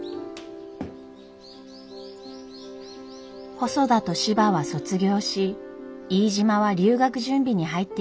細田と柴は卒業し飯島は留学準備に入っていました。